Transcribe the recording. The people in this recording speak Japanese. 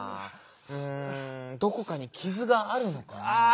うんどこかにきずがあるのかなぁ？